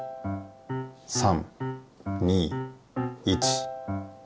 ３２１。